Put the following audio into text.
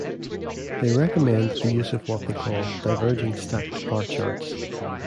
They recommend the use of what they call diverging stacked bar charts.